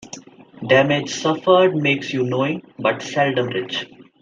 Damage suffered makes you knowing, but seldom rich.